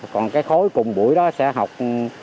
còn cái khối cùng buổi đó sẽ học ba năm bảy